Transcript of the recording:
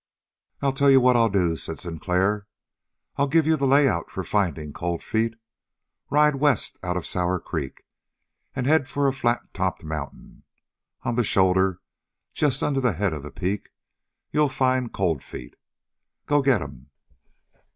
"I'll tell you what I'll do," said Sinclair, "I'll give you the layout for finding Cold Feet. Ride west out of Sour Creek and head for a flat topped mountain. On the shoulder just under the head of the peak you'll find Cold Feet. Go get him!"